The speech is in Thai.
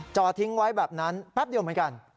จอดทิ้งไว้แบบนั้นแป๊บเดียวเหมือนกัน